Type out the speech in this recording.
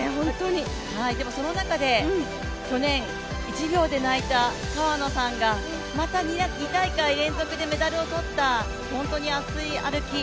でもその中で去年１秒で泣いた、川野さんがまた２大会連続でメダルをとった、本当に熱い歩き。